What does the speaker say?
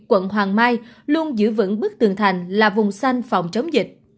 quận hoàng mai luôn giữ vững bức tường thành là vùng xanh phòng chống dịch